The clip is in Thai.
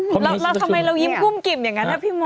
แล้วทำไมเรายิ้มกุ้มกิ่มอย่างนั้นนะพี่มด